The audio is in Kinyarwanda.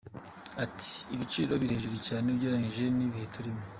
Ati “Ibiciro biri hejuru cyane ugereranyije n’ibihe turimo.